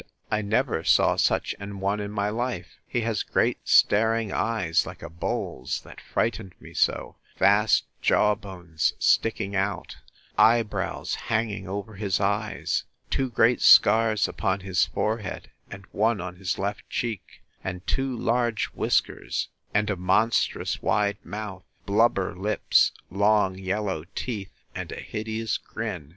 —I never saw such an one in my life. He has great staring eyes, like the bull's that frightened me so; vast jaw bones sticking out: eyebrows hanging over his eyes; two great scars upon his forehead, and one on his left cheek; and two large whiskers, and a monstrous wide mouth; blubber lips; long yellow teeth, and a hideous grin.